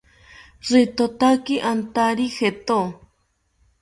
Ritotaki antari jeto